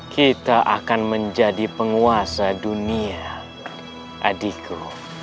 kita akan menjadi penguasa dunia adikku